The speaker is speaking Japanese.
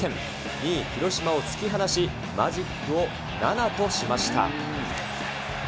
２位広島を突き放し、マジックを７としました。